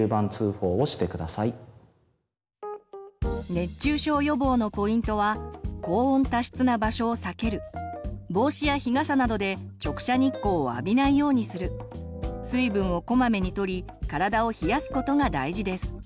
熱中症予防のポイントは高温・多湿な場所を避ける帽子や日傘などで直射日光を浴びないようにする水分をこまめにとり体を冷やすことが大事です。